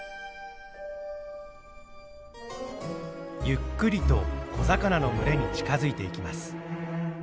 ゆっくりと小魚の群れに近づいていきます。